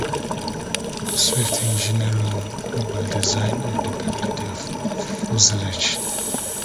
Swift Engineering will design and build the fuselage.